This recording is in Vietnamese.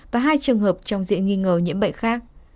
và hai trường hợp trong diện nghi ngờ nhiễm bệnh khác